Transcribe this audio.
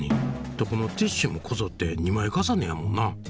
どこのティッシュもこぞって２枚重ねやもんな。